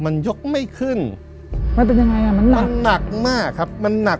มันยกไม่ขึ้นมันเป็นยังไงอ่ะมันหนักมันหนักมากครับมันหนัก